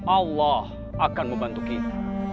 allah akan membantu kita